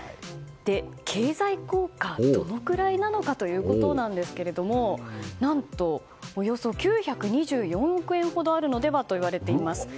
経済効果がどのくらいなのかということなんですが何と、およそ９２４億円ほどあるのではといわれています。